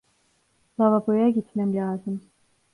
Lavaboya gitmem lazım.